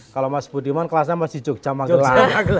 kalau mas budiman kelasnya masih jogja magelang